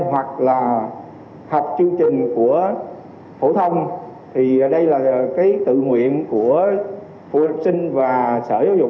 hoặc là học chương trình của phổ thông thì đây là cái tự nguyện của phụ huynh và sở giáo dục